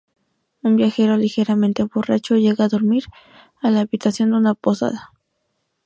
Un viajero ligeramente borracho llega a dormir a la habitación de una posada.